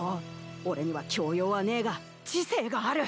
俺には教養はねえが知性がある！